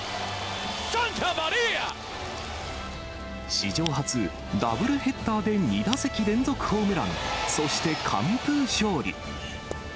史上初、ダブルヘッダーで２打席連続ホームラン、そして完封勝利。